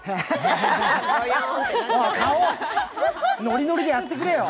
顔、ノリノリでやってくれよ。